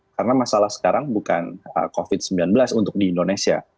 karena masalah sekarang bukan covid sembilan belas untuk di indonesia